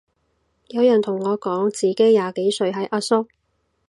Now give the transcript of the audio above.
有人同我講自己廿幾歲係阿叔